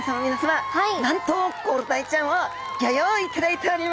なんとコロダイちゃんをギョ用意いただいております。